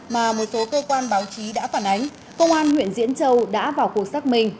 mà một số cơ quan báo chí đã phản ánh công an huyện diễn châu đã vào cuộc xác minh